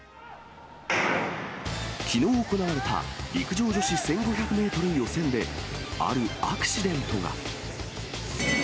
きのう行われた陸上女子１５００メートル予選で、あるアクシデントが。